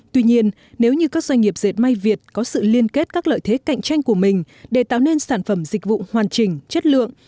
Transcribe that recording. tuy nhiên nếu như các doanh nghiệp dệt may việt có sự liên kết các lợi thế cạnh tranh của mình để tạo nên sản phẩm dịch vụ hoàn chỉnh chất lượng